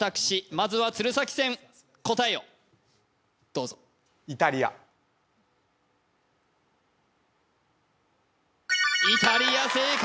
まずは鶴崎戦答えをどうぞイタリア正解！